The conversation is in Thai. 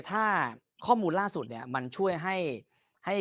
ถ้าข้อมูลล่าสุดเนี่ยมันช่วยให้